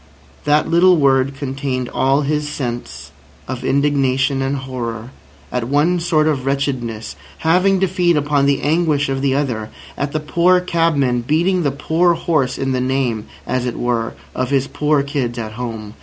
That little word contained all his sense of indignation and horror at one sort of wretchedness having to feed upon the anguish of the other—at the poor cabman beating the poor horse in the name, as it were, of his poor kids at home.